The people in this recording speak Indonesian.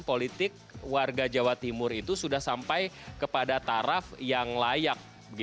politik warga jawa timur itu sudah sampai kepada taraf yang layak